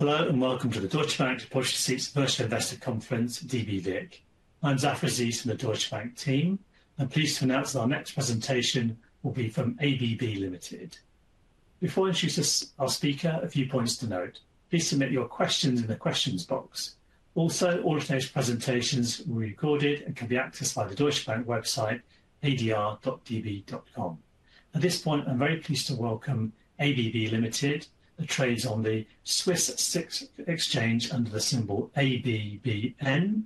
Hello and welcome to the Deutsche Bank Deposit Seats Investor Conference, dbVic. I'm Zaf Aziz from the Deutsche Bank team. I'm pleased to announce that our next presentation will be from ABB Limited. Before I introduce our speaker, a few points to note. Please submit your questions in the questions box. Also, all of today's presentations will be recorded and can be accessed via the Deutsche Bank website, adr.db.com. At this point, I'm very pleased to welcome ABB Limited, which trades on the SIX Swiss Exchange under the symbol ABBN and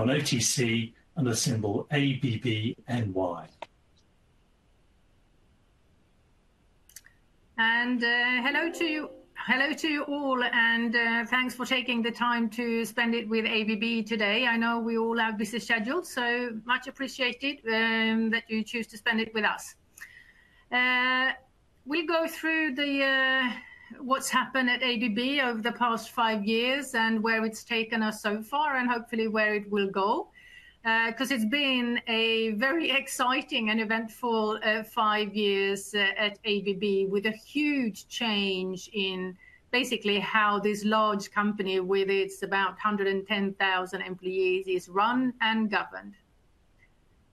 on OTC under the symbol ABBNY. Hello to you all, and thanks for taking the time to spend it with ABB today. I know we all have busy schedules, so much appreciated that you choose to spend it with us. We'll go through what's happened at ABB over the past five years and where it's taken us so far, and hopefully where it will go, because it's been a very exciting and eventful five years at ABB with a huge change in basically how this large company with its about 110,000 employees is run and governed.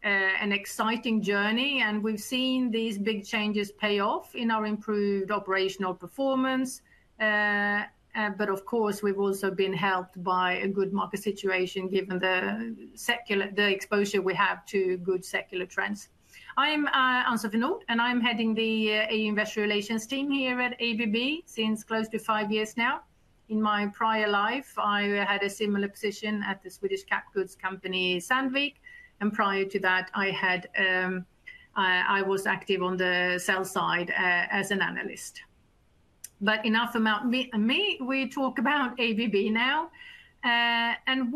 An exciting journey, and we've seen these big changes pay off in our improved operational performance. Of course, we've also been helped by a good market situation given the exposure we have to good secular trends. I'm Ann-Sofie Nordh, and I'm heading the EU Investor Relations team here at ABB since close to five years now. In my prior life, I had a similar position at the Swedish cap goods company Sandvik, and prior to that, I was active on the sell side as an analyst. Enough about me. We talk about ABB now.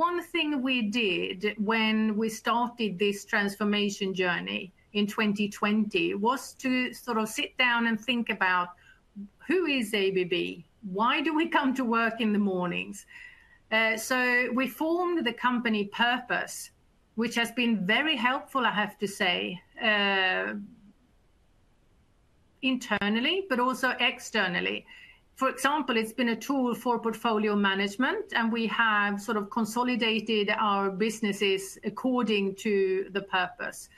One thing we did when we started this transformation journey in 2020 was to sort of sit down and think about who is ABB? Why do we come to work in the mornings? We formed the company Purpose, which has been very helpful, I have to say, internally, but also externally. For example, it has been a tool for portfolio management, and we have sort of consolidated our businesses according to the purpose,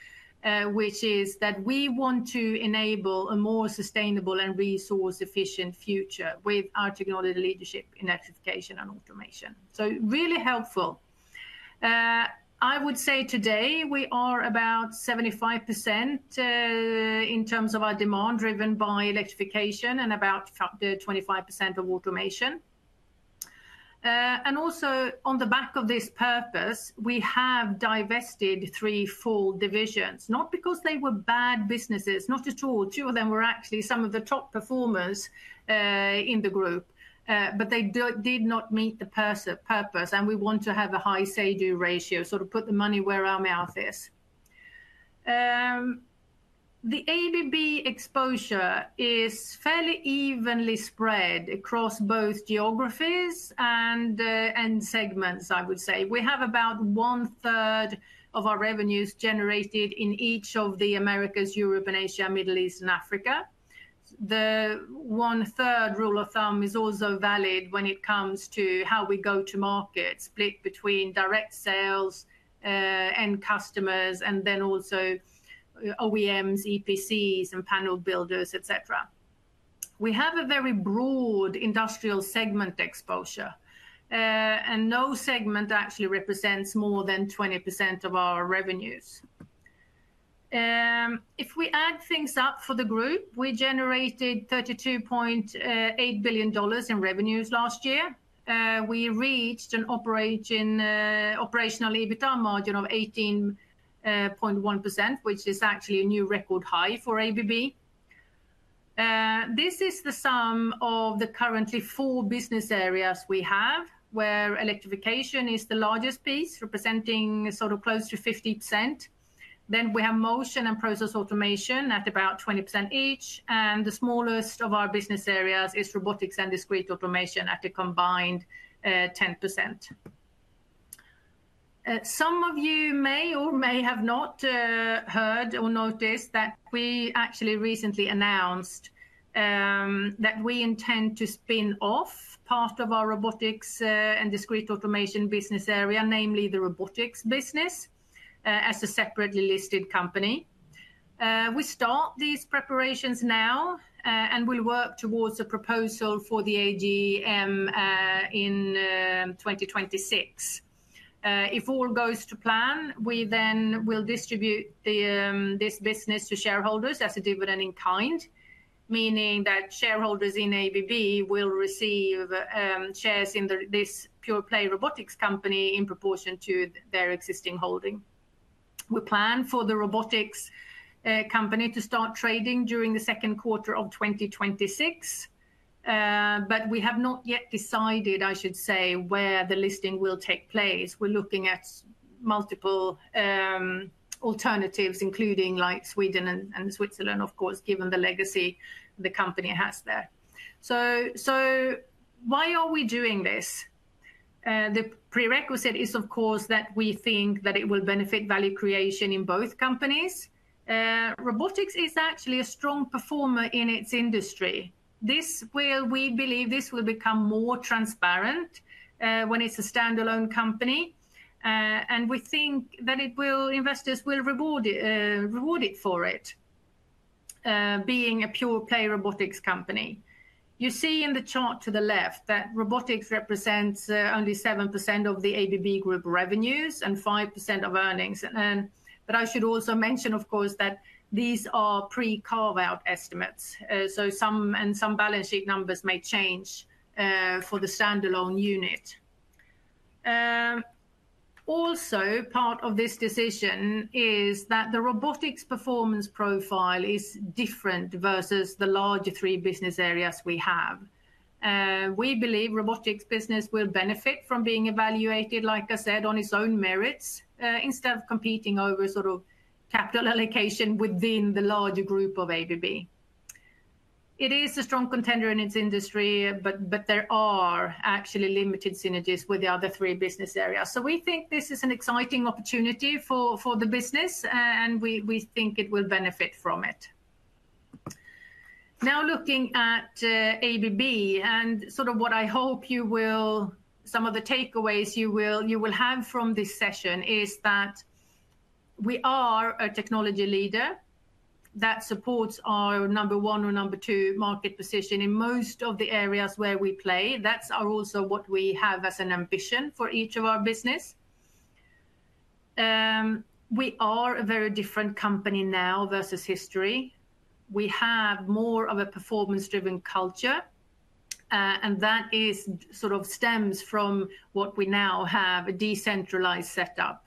which is that we want to enable a more sustainable and resource-efficient future with our technology leadership in electrification and automation. Really helpful. I would say today we are about 75% in terms of our demand driven by electrification and about 25% of automation. Also on the back of this purpose, we have divested three full divisions, not because they were bad businesses, not at all. Two of them were actually some of the top performers in the group, but they did not meet the purpose, and we want to have a high say-to ratio, sort of put the money where our mouth is. The ABB exposure is fairly evenly spread across both geographies and segments, I would say. We have about one-third of our revenues generated in each of the Americas, Europe, and Asia, Middle East and Africa. The 1/3 rule of thumb is also valid when it comes to how we go to market, split between direct sales and customers, and then also OEMs, EPCs, and panel builders, etc. We have a very broad industrial segment exposure, and no segment actually represents more than 20% of our revenues. If we add things up for the group, we generated $32.8 billion in revenues last year. We reached an operational EBITDA margin of 18.1%, which is actually a new record high for ABB. This is the sum of the currently four business areas we have, where electrification is the largest piece, representing sort of close to 50%. Then we have motion and process automation at about 20% each, and the smallest of our business areas is robotics and discrete automation at a combined 10%. Some of you may or may have not heard or noticed that we actually recently announced that we intend to spin off part of our robotics and discrete automation business area, namely the robotics business, as a separately listed company. We start these preparations now, and we'll work towards a proposal for the AGM in 2026. If all goes to plan, we then will distribute this business to shareholders as a dividend in kind, meaning that shareholders in ABB will receive shares in this pure-play robotics company in proportion to their existing holding. We plan for the robotics company to start trading during the second quarter of 2026, but we have not yet decided, I should say, where the listing will take place. We're looking at multiple alternatives, including like Sweden and Switzerland, of course, given the legacy the company has there. Why are we doing this? The prerequisite is, of course, that we think that it will benefit value creation in both companies. Robotics is actually a strong performer in its industry. We believe this will become more transparent when it's a standalone company, and we think that investors will reward it for it, being a pure-play robotics company. You see in the chart to the left that robotics represents only 7% of the ABB group revenues and 5% of earnings. I should also mention, of course, that these are pre-carve-out estimates, and some balance sheet numbers may change for the standalone unit. Also, part of this decision is that the robotics performance profile is different versus the larger three business areas we have. We believe the robotics business will benefit from being evaluated, like I said, on its own merits instead of competing over sort of capital allocation within the larger group of ABB. It is a strong contender in its industry, but there are actually limited synergies with the other three business areas. We think this is an exciting opportunity for the business, and we think it will benefit from it. Now, looking at ABB and sort of what I hope some of the takeaways you will have from this session is that we are a technology leader that supports our number one or number two market position in most of the areas where we play. That is also what we have as an ambition for each of our business. We are a very different company now versus history. We have more of a performance-driven culture, and that sort of stems from what we now have, a decentralized setup.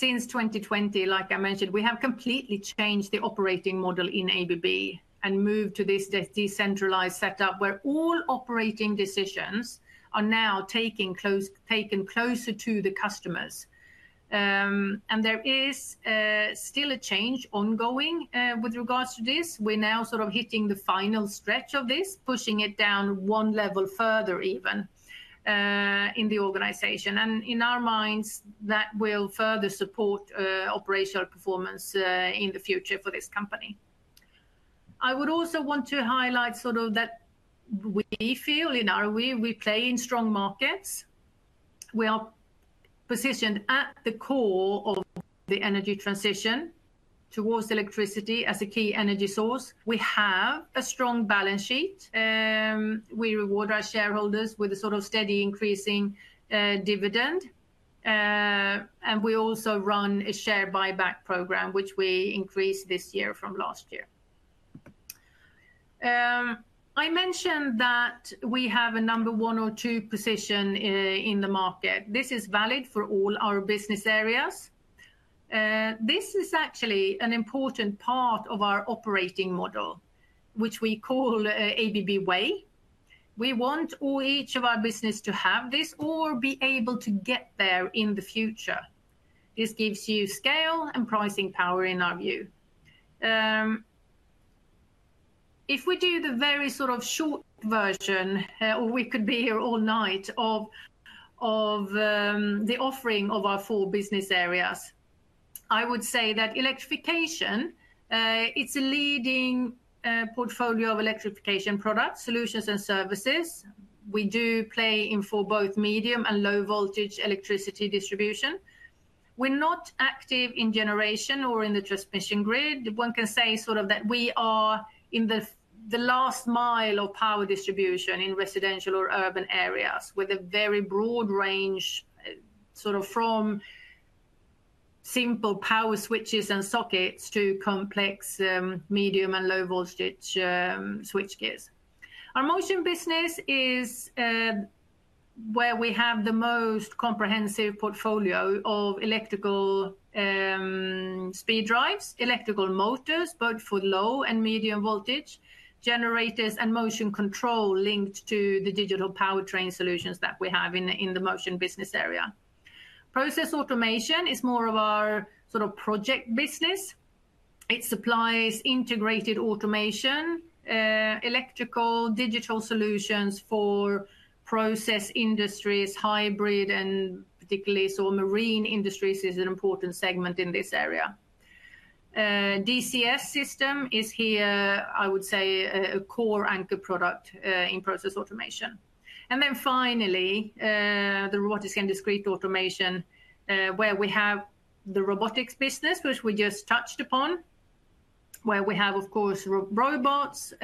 Since 2020, like I mentioned, we have completely changed the operating model in ABB and moved to this decentralized setup where all operating decisions are now taken closer to the customers. There is still a change ongoing with regards to this. We're now sort of hitting the final stretch of this, pushing it down one level further even in the organization. In our minds, that will further support operational performance in the future for this company. I would also want to highlight sort of that we feel in our way we play in strong markets. We are positioned at the core of the energy transition towards electricity as a key energy source. We have a strong balance sheet. We reward our shareholders with a sort of steady increasing dividend, and we also run a share buyback program, which we increased this year from last year. I mentioned that we have a number one or two position in the market. This is valid for all our business areas. This is actually an important part of our operating model, which we call ABB Way. We want each of our businesses to have this or be able to get there in the future. This gives you scale and pricing power in our view. If we do the very sort of short version, or we could be here all night, of the offering of our four business areas, I would say that electrification, it is a leading portfolio of electrification products, solutions, and services. We do play in for both medium and low voltage electricity distribution. We are not active in generation or in the transmission grid. One can say sort of that we are in the last mile of power distribution in residential or urban areas with a very broad range sort of from simple power switches and sockets to complex medium and low voltage switchgear. Our motion business is where we have the most comprehensive portfolio of electrical speed drives, electrical motors, both for low and medium voltage, generators, and motion control linked to the digital powertrain solutions that we have in the motion business area. Process automation is more of our sort of project business. It supplies integrated automation, electrical, digital solutions for process industries, hybrid, and particularly marine industries is an important segment in this area. DCS system is here, I would say, a core anchor product in process automation. Finally, the robotics and discrete automation, where we have the robotics business, which we just touched upon, where we have, of course, robots,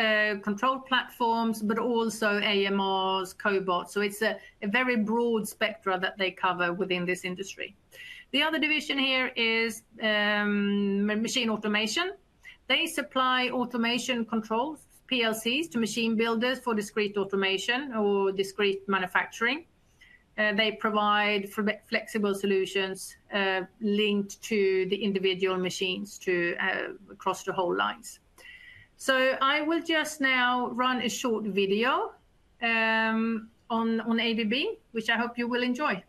control platforms, but also AMRs, Cobots. It is a very broad spectrum that they cover within this industry. The other division here is machine automation. They supply automation controls, PLCs, to machine builders for discrete automation or discrete manufacturing. They provide flexible solutions linked to the individual machines across the whole lines. I will just now run a short video on ABB, which I hope you will enjoy.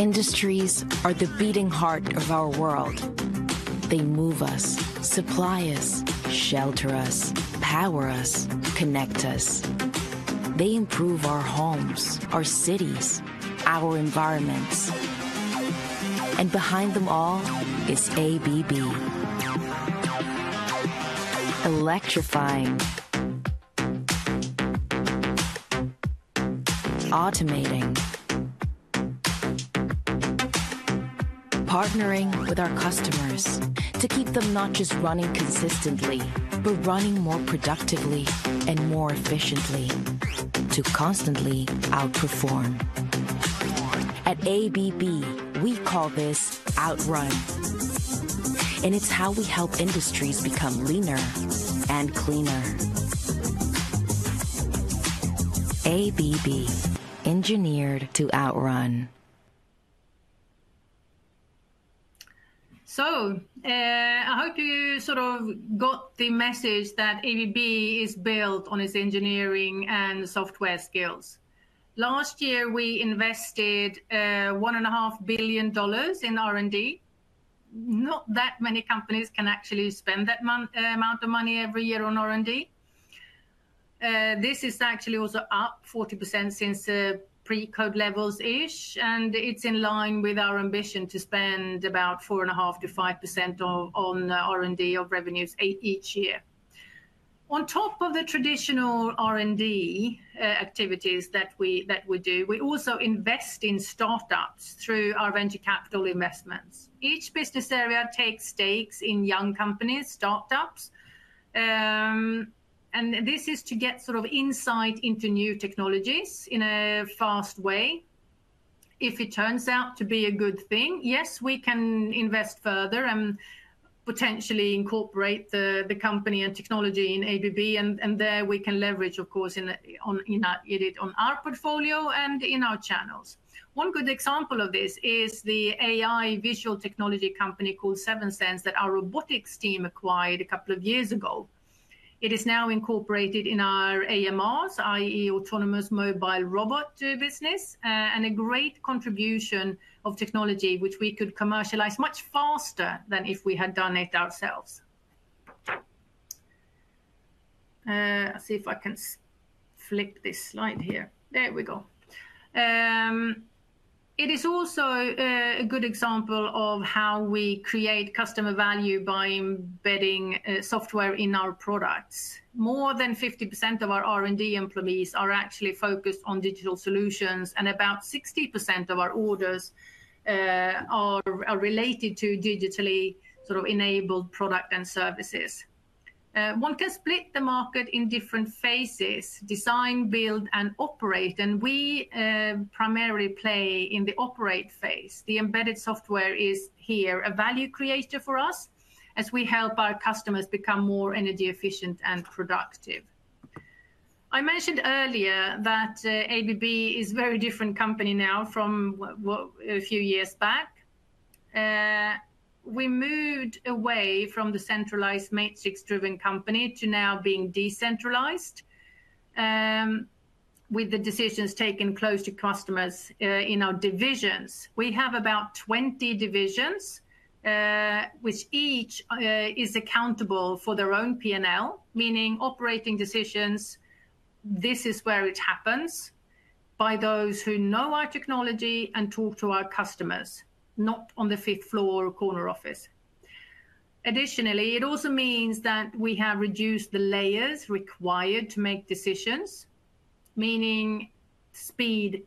Industries are the beating heart of our world. They move us, supply us, shelter us, power us, connect us. They improve our homes, our cities, our environments. Behind them all is ABB, electrifying, automating, partnering with our customers to keep them not just running consistently, but running more productively and more efficiently, to constantly outperform. At ABB, we call this outrun, and it is how we help industries become leaner and cleaner. ABB, engineered to outrun. I hope you sort of got the message that ABB is built on its engineering and software skills. Last year, we invested $1.5 billion in R&D. Not that many companies can actually spend that amount of money every year on R&D. This is actually also up 40% since pre-COVID levels-ish, and it's in line with our ambition to spend about 4.5%-5% on R&D of revenues each year. On top of the traditional R&D activities that we do, we also invest in startups through our venture capital investments. Each business area takes stakes in young companies, startups, and this is to get sort of insight into new technologies in a fast way. If it turns out to be a good thing, yes, we can invest further and potentially incorporate the company and technology in ABB, and there we can leverage, of course, it on our portfolio and in our channels. One good example of this is the AI visual technology company called Sevensense that our robotics team acquired a couple of years ago. It is now incorporated in our AMRs, i.e., autonomous mobile robot business, and a great contribution of technology, which we could commercialize much faster than if we had done it ourselves. I'll see if I can flip this slide here. There we go. It is also a good example of how we create customer value by embedding software in our products. More than 50% of our R&D employees are actually focused on digital solutions, and about 60% of our orders are related to digitally sort of enabled products and services. One can split the market in different phases: design, build, and operate, and we primarily play in the operate phase. The embedded software is here a value creator for us as we help our customers become more energy efficient and productive. I mentioned earlier that ABB is a very different company now from a few years back. We moved away from the centralized matrix-driven company to now being decentralized with the decisions taken close to customers in our divisions. We have about 20 divisions, which each is accountable for their own P&L, meaning operating decisions, this is where it happens, by those who know our technology and talk to our customers, not on the fifth floor or corner office. Additionally, it also means that we have reduced the layers required to make decisions, meaning speed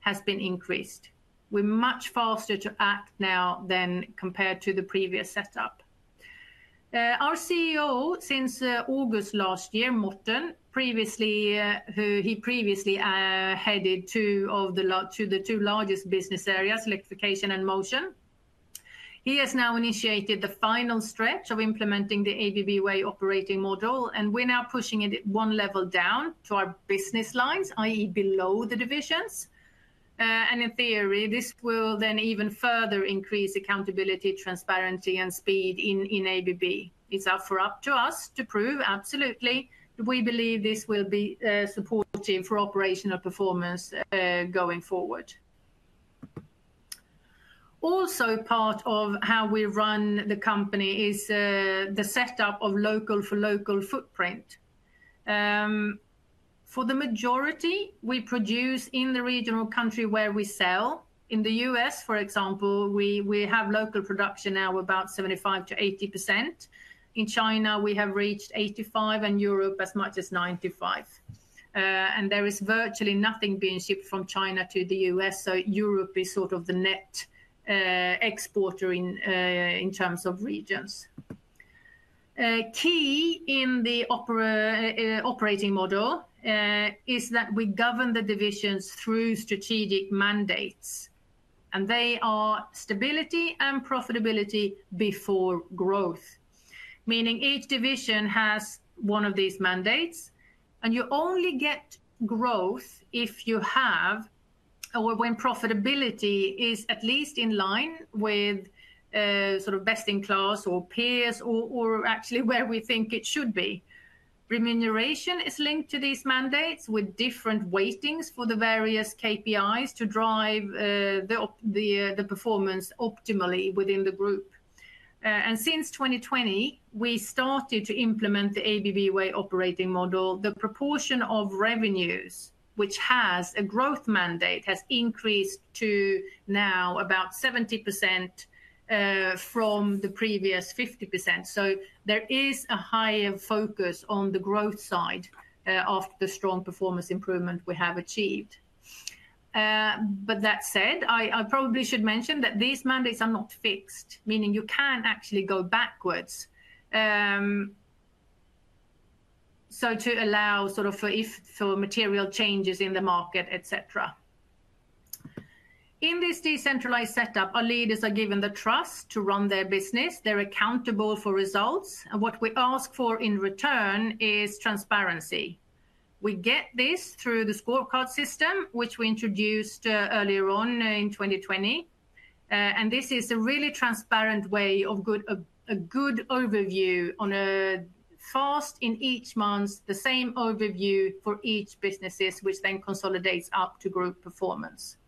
has been increased. We're much faster to act now than compared to the previous setup. Our CEO since August last year, Morten, who previously headed two of the two largest business areas, electrification and motion. He has now initiated the final stretch of implementing the ABB Way operating model, and we're now pushing it one level down to our business lines, i.e., below the divisions. In theory, this will then even further increase accountability, transparency, and speed in ABB. It's up for us to prove absolutely that we believe this will be supportive for operational performance going forward. Also, part of how we run the company is the setup of local for local footprint. For the majority, we produce in the regional country where we sell. In the U.S., for example, we have local production now of about 75% to 80%. In China, we have reached 85%, and Europe as much as 95%. There is virtually nothing being shipped from China to the U.S., so Europe is sort of the net exporter in terms of regions. Key in the operating model is that we govern the divisions through strategic mandates, and they are stability and profitability before growth, meaning each division has one of these mandates, and you only get growth if you have or when profitability is at least in line with sort of best in class or peers or actually where we think it should be. Remuneration is linked to these mandates with different weightings for the various KPIs to drive the performance optimally within the group. Since 2020, we started to implement the ABB Way operating model. The proportion of revenues, which has a growth mandate, has increased to now about 70% from the previous 50%. There is a higher focus on the growth side after the strong performance improvement we have achieved. That said, I probably should mention that these mandates are not fixed, meaning you can actually go backwards to allow sort of for material changes in the market, etc. In this decentralized setup, our leaders are given the trust to run their business. They're accountable for results, and what we ask for in return is transparency. We get this through the scorecard system, which we introduced earlier on in 2020. This is a really transparent way of a good overview on a fast, in each month, the same overview for each businesses, which then consolidates up to group performance.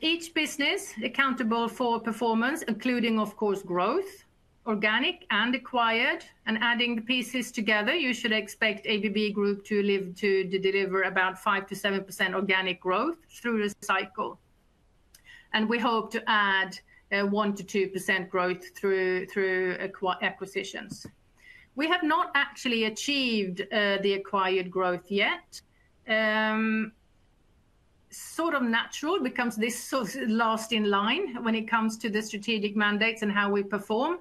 Each business is accountable for performance, including, of course, growth, organic and acquired, and adding the pieces together, you should expect ABB Group to deliver about 5%-7% organic growth through the cycle. We hope to add 1%-2% growth through acquisitions. We have not actually achieved the acquired growth yet. Sort of natural becomes this last in line when it comes to the strategic mandates and how we perform.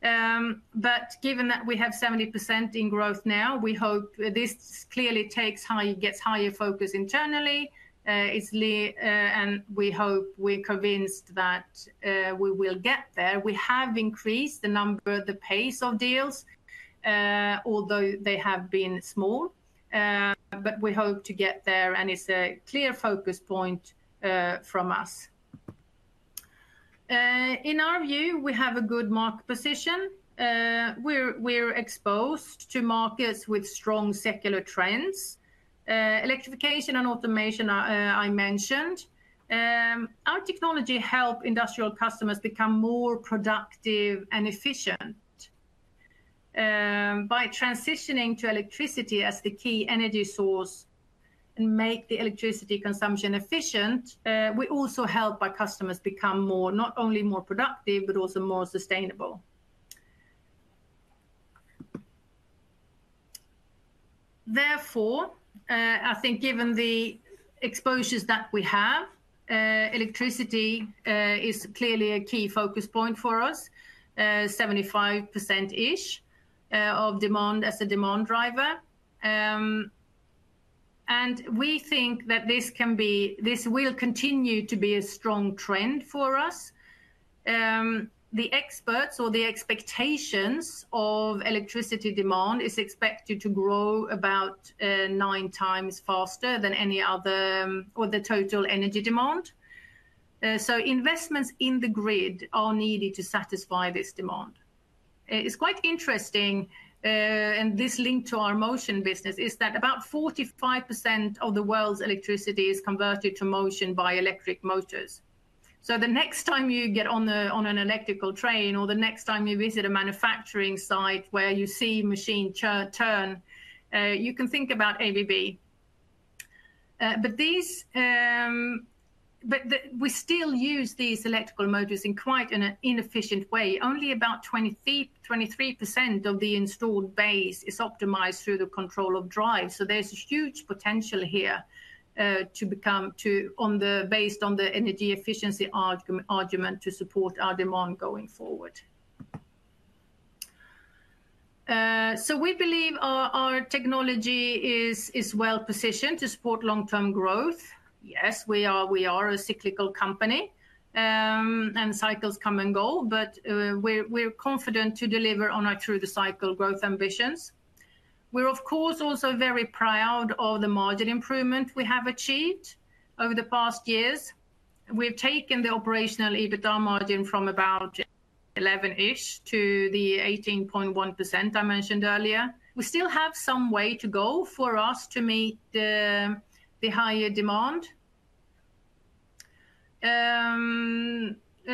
Given that we have 70% in growth now, we hope this clearly gets higher focus internally, and we hope we're convinced that we will get there. We have increased the number, the pace of deals, although they have been small, but we hope to get there, and it's a clear focus point from us. In our view, we have a good market position. We're exposed to markets with strong secular trends. Electrification and automation, I mentioned. Our technology helps industrial customers become more productive and efficient. By transitioning to electricity as the key energy source and making the electricity consumption efficient, we also help our customers become not only more productive, but also more sustainable. Therefore, I think given the exposures that we have, electricity is clearly a key focus point for us, 75%-ish of demand as a demand driver. We think that this will continue to be a strong trend for us. The experts or the expectations of electricity demand are expected to grow about nine times faster than any other or the total energy demand. Investments in the grid are needed to satisfy this demand. It is quite interesting, and this is linked to our motion business, that about 45% of the world's electricity is converted to motion by electric motors. The next time you get on an electrical train or the next time you visit a manufacturing site where you see machines turn, you can think about ABB. We still use these electrical motors in quite an inefficient way. Only about 23% of the installed base is optimized through the control of drive. There is a huge potential here based on the energy efficiency argument to support our demand going forward. We believe our technology is well positioned to support long-term growth. Yes, we are a cyclical company, and cycles come and go, but we're confident to deliver on our through-the-cycle growth ambitions. We're, of course, also very proud of the margin improvement we have achieved over the past years. We've taken the operational EBITDA margin from about 11%-ish to the 18.1% I mentioned earlier. We still have some way to go for us to meet the higher demand.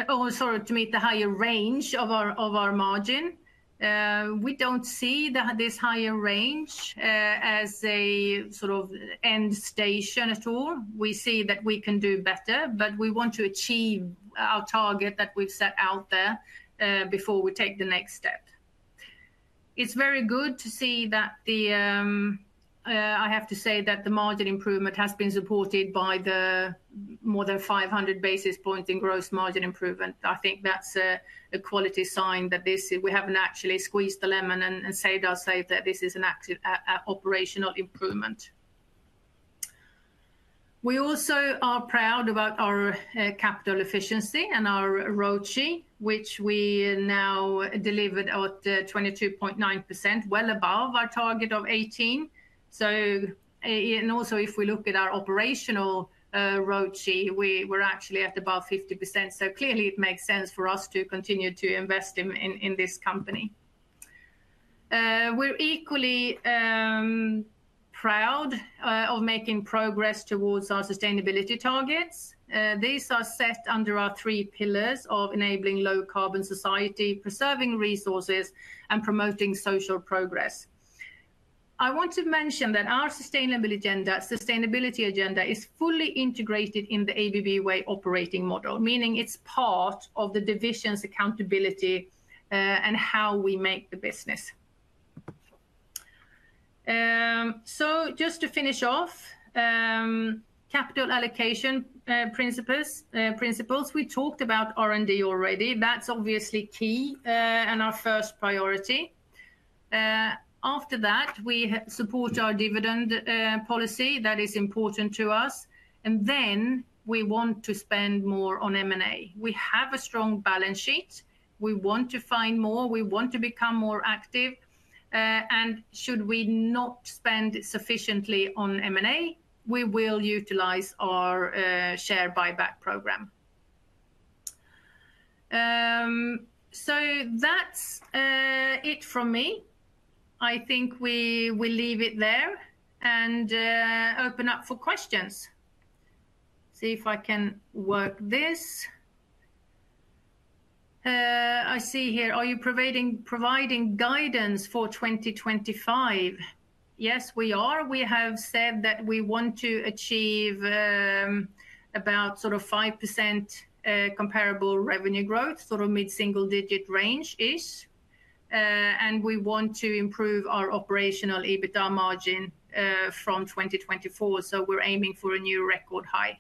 Oh, sorry, to meet the higher range of our margin. We do not see this higher range as a sort of end station at all. We see that we can do better, but we want to achieve our target that we have set out there before we take the next step. It is very good to see that, I have to say, that the margin improvement has been supported by the more than 500 basis points in gross margin improvement. I think that is a quality sign that we have not actually squeezed the lemon and saved ourselves, that this is an operational improvement. We also are proud about our capital efficiency and our ROTI, which we now delivered at 22.9%, well above our target of 18%. Also, if we look at our operational ROTI, we are actually at about 50%. Clearly, it makes sense for us to continue to invest in this company. We're equally proud of making progress towards our sustainability targets. These are set under our three pillars of enabling low-carbon society, preserving resources, and promoting social progress. I want to mention that our sustainability agenda is fully integrated in the ABB Way operating model, meaning it's part of the division's accountability and how we make the business. Just to finish off, capital allocation principles, we talked about R&D already. That's obviously key and our first priority. After that, we support our dividend policy that is important to us, and then we want to spend more on M&A. We have a strong balance sheet. We want to find more. We want to become more active. Should we not spend sufficiently on M&A, we will utilize our share buyback program. That's it from me. I think we will leave it there and open up for questions. See if I can work this. I see here, are you providing guidance for 2025? Yes, we are. We have said that we want to achieve about sort of 5% comparable revenue growth, sort of mid-single-digit range-ish, and we want to improve our operational EBITDA margin from 2024. We are aiming for a new record high.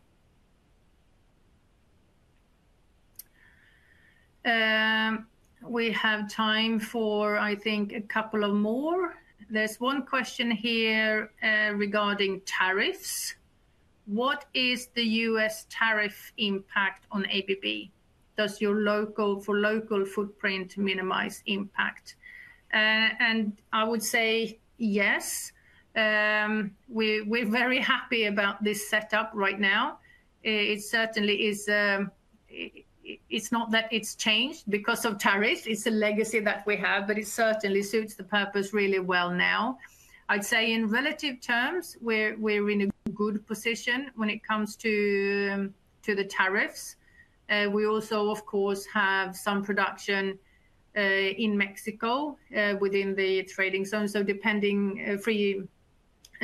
We have time for, I think, a couple of more. There is one question here regarding tariffs. What is the U.S. tariff impact on ABB? Does your local footprint minimize impact? I would say yes. We are very happy about this setup right now. It is not that it has changed because of tariffs. It is a legacy that we have, but it certainly suits the purpose really well now. I would say in relative terms, we are in a good position when it comes to the tariffs. We also, of course, have some production in Mexico within the trading zone. So depending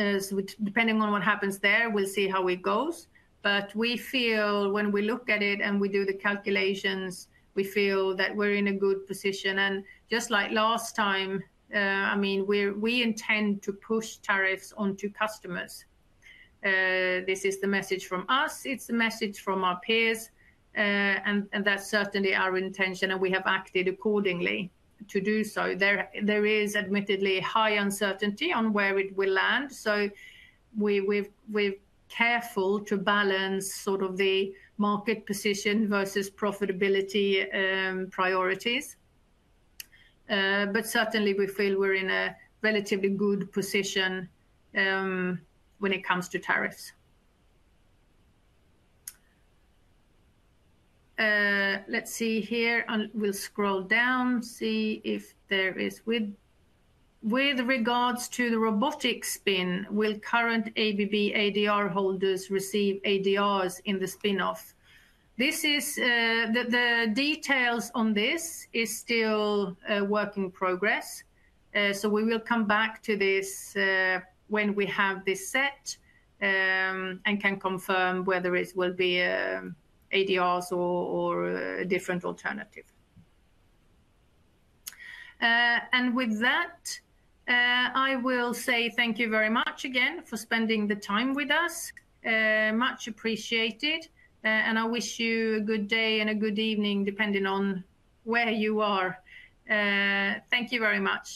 on what happens there, we'll see how it goes. But we feel, when we look at it and we do the calculations, we feel that we're in a good position. And just like last time, I mean, we intend to push tariffs onto customers. This is the message from us. It's the message from our peers, and that's certainly our intention, and we have acted accordingly to do so. There is admittedly high uncertainty on where it will land, so we're careful to balance sort of the market position versus profitability priorities. But certainly, we feel we're in a relatively good position when it comes to tariffs. Let's see here. We'll scroll down, see if there is with regards to the robotic spin. Will current ABB ADR holders receive ADRs in the spinoff? The details on this are still a work in progress, so we will come back to this when we have this set and can confirm whether it will be ADRs or a different alternative. With that, I will say thank you very much again for spending the time with us. Much appreciated, and I wish you a good day and a good evening depending on where you are. Thank you very much.